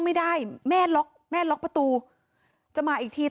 มีชายแปลกหน้า๓คนผ่านมาทำทีเป็นช่วยค่างทาง